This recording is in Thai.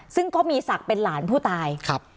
ซึ่งก็มีศักดิ์เป็นหลานผู้ตายครับ